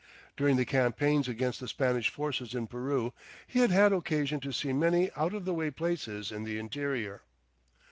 During the campaigns against the Spanish forces in Peru he had had occasion to see many out of the way places in the interior.